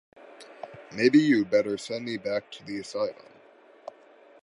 Maybe you’d better send me back to the asylum.